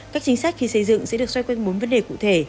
các chính sách khi xây dựng sẽ được xoay quanh bốn vấn đề cụ thể